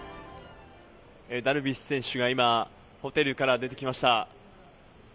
ダルビッシュ選手が今、ホテルから出てきました。